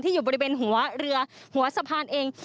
อยู่บริเวณหัวเรือหัวสะพานเอง